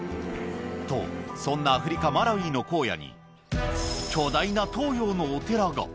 と、そんなアフリカ・マラウイのこうやに、巨大な東洋のお寺が。